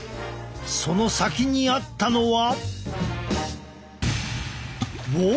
その先にあったのは。